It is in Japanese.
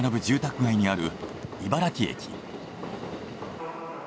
住宅街にある茨木駅。